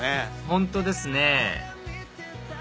本当ですね